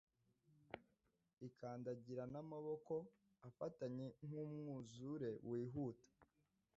ikandagira namaboko afatanye Nkumwuzure wihuta